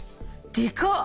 でかっ！